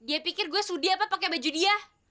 dia pikir gue sudi apa pakai baju dia